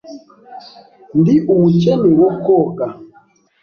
Ndi umukene wo koga.